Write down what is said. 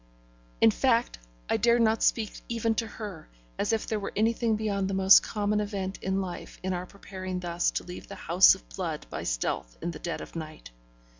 In fact, I dared not speak even to her, as if there were anything beyond the most common event in life in our preparing thus to leave the house of blood by stealth in the dead of night.